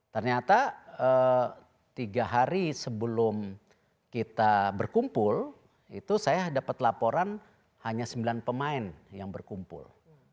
ternyata tiga hari sebelum kita berkumpul itu saya dapat laporan hanya sembilan pemain yang berkumpul